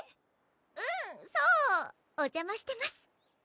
うんそうおじゃましてます